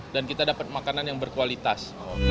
dan kita dapat makanan yang berkualitas